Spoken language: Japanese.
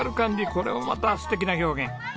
これもまた素敵な表現。